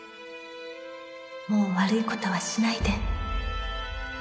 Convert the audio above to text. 「もう悪い事はしないで」